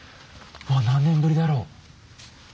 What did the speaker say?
ああ何年ぶりだろう。